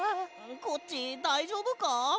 コッチだいじょうぶか？